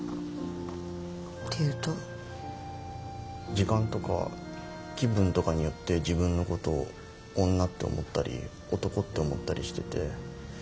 時間とか気分とかによって自分のことを女って思ったり男って思ったりしてて。